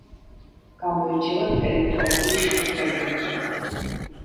გამოირჩევა ინტელექტუალური შესაძლებლობებით.